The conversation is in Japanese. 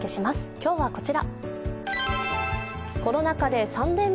今日はこちら。